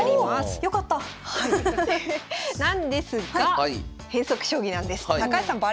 なんですが変則将棋なんです。